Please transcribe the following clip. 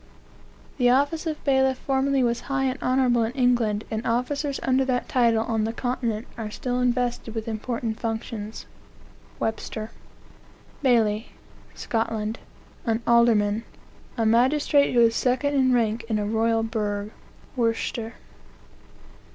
"The office of bailiff formerly was high and honorable in England, and officers under that title on the continent are still invested with important functions." Webster. "BAILLI, (Scotland.) An alderman; a magistrate who is second in rank in a royal burgh." Worcester.